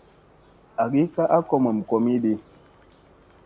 Agi ka a komom komiɗi.